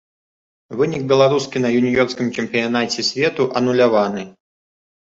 Вынік беларускі на юніёрскім чэмпіянаце свету ануляваны.